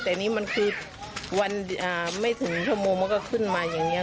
แต่อันนี้มันคือวันไม่ถึงชั่วโมงมันก็ขึ้นมาอย่างนี้